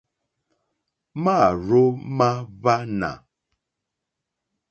Máàrzó má hwánà.